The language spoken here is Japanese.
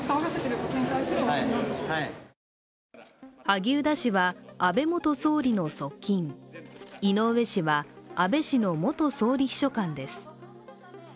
萩生田氏は安倍元総理の側近井上氏は安倍氏の元総理秘書官です。